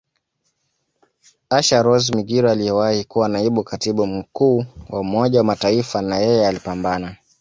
Asha Rose Migiro aliyewahi kuwa Naibu Katibu Mkuu wa Umoja wa Mataifa nayeye alipambana